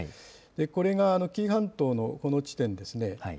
これが紀伊半島のこの地点ですね。